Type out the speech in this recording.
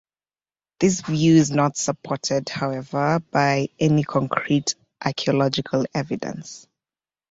This view is not supported, however, by any concrete archaeological evidence.